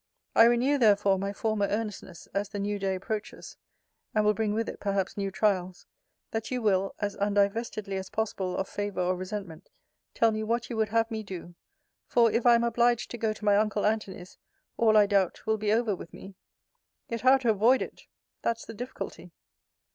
I renew, therefore, my former earnestness, as the new day approaches, and will bring with it perhaps new trials, that you will (as undivestedly as possible of favour or resentment) tell me what you would have me do: for, if I am obliged to go to my uncle Antony's, all, I doubt, will be over with me. Yet how to avoid it that's the difficulty!